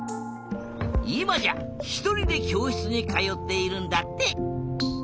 いまじゃひとりできょうしつにかよっているんだって。